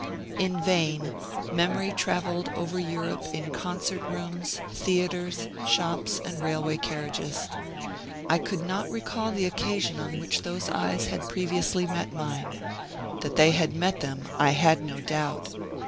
In vain memory traveled over Europe in concert rooms, theaters, shops, and railway carriages. I could not recall the occasion on which those eyes had previously met mine. That they had met them I had no doubt.